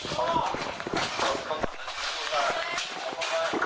ก็ต้องมาดูเมียวครับ